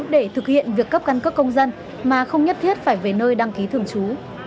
để thực hiện việc cấp căn cước công dân mà không nhất thiết phải về nơi đăng ký thường trú